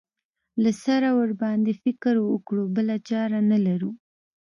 له سره ورباندې فکر وکړو بله چاره نه لرو.